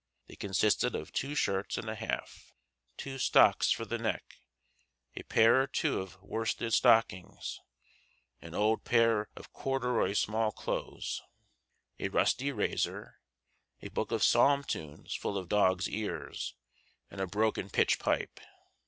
They consisted of two shirts and a half, two stocks for the neck, a pair or two of worsted stockings, an old pair of corduroy small clothes, a rusty razor, a book of psalm tunes full of dog's ears, and a broken pitch pipe.